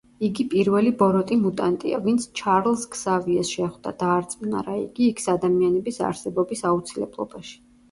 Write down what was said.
იგი პირველი ბოროტი მუტანტია, ვინც ჩარლზ ქსავიეს შეხვდა, დაარწმუნა რა იგი იქს-ადამიანების არსებობის აუცილებლობაში.